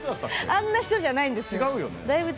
あんな人じゃないんですよ。